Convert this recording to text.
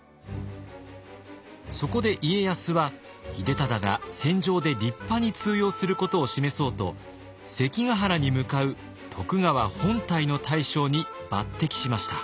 そこで家康は秀忠が戦場で立派に通用することを示そうと関ヶ原に向かう徳川本隊の大将に抜擢しました。